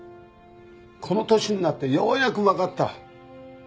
この年になってようやくわかった。